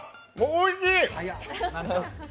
おいしい！